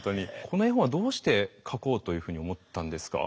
この絵本はどうして書こうというふうに思ったんですか？